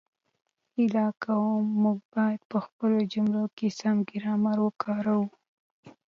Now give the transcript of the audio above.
هیله کووم، موږ باید په خپلو جملو کې سم ګرامر وکاروو